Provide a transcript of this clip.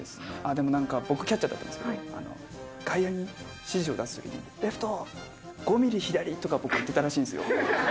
でもなんか、僕、キャッチャーだったんですけど、外野に指示を出すときに、レフト５ミリ左とか、僕、言ってたらしいんですよ。